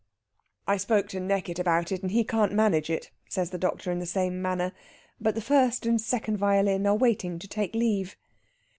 "I spoke to Neckitt about it, and he can't manage it," says the doctor in the same manner. But the first and second violin are waiting to take leave.